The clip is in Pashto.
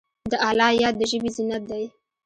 د الله یاد د ژبې زینت دی.